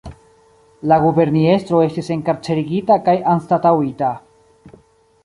La guberniestro estis enkarcerigita kaj anstataŭita.